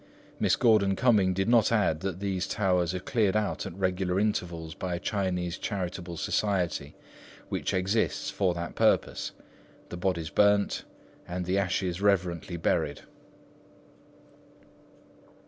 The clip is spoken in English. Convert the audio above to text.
Miss Gordon Cumming did not add that these towers are cleared out at regular intervals by a Chinese charitable society which exists for that purpose, the bodies burnt, and the ashes reverently buried.